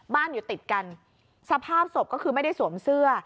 อยู่ติดกันสภาพศพก็คือไม่ได้สวมเสื้อ